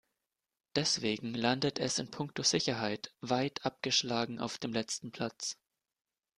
Deswegen landet es in puncto Sicherheit weit abgeschlagen auf dem letzten Platz.